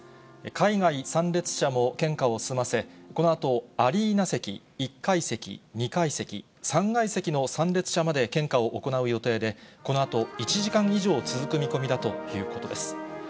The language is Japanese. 海外参列者も献花を済ませ、このあとアリーナ席、１階席、２階席、３階席の参列者まで献花を行う予定で、このあと１時間以上続く見込みだということです。